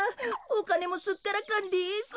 おかねもすっからかんです。